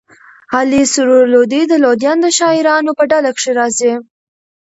علي سرور لودي د لودیانو د شاعرانو په ډله کښي راځي.